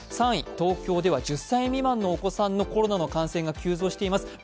３位、東京では１０歳未満のお子さんのコロナの感染が急増しています。